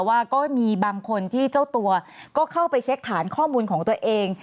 ว่าก็มีบางคนที่เจ้าตัวก็เข้าไปเช็คฐานข้อมูลของตัวเอง